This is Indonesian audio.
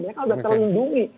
mereka udah terlindungi